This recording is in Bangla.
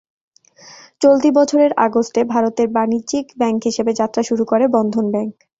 চলতি বছরের আগস্টে ভারতে বাণিজ্যিক ব্যাংক হিসেবে যাত্রা শুরু করে বন্ধন ব্যাংক।